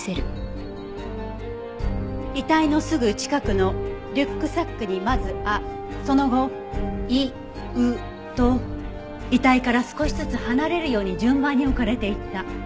遺体のすぐ近くのリュックサックにまずアその後イウと遺体から少しずつ離れるように順番に置かれていった。